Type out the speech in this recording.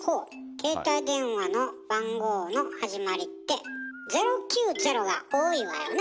携帯電話の番号の始まりって「０９０」が多いわよね。